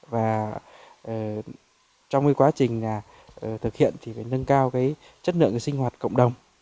và trong cái quá trình thực hiện thì phải nâng cao cái chất lượng cái sinh hoạt cộng đồng